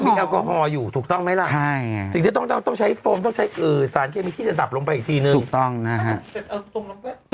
ก็มีแอลโกฮอล์อยู่ถูกต้องไหมล่ะ